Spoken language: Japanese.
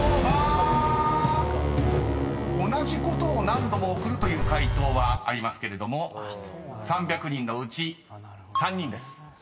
［同じことを何度も送るという回答はありますけれども３００人のうち３人です］